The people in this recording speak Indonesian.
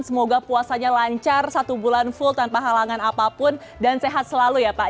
semoga puasanya lancar satu bulan full tanpa halangan apapun dan sehat selalu ya pak